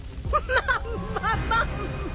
マンママンマ！